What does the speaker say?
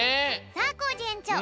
さあコージえんちょう。